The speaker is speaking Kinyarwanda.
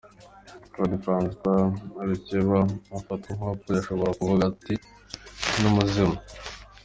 -Claude Francois Rukeba afatwa nk’uwapfuye ashobora kuvuga ate ni umuzimu?